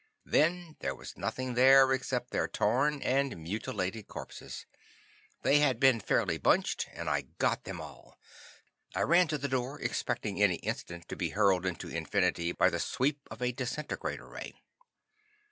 Then there was nothing there except their torn and mutilated corpses. They had been fairly bunched, and I got them all. I ran to the door, expecting any instant to be hurled into infinity by the sweep of a disintegrator ray.